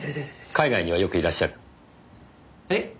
海外にはよくいらっしゃる？え？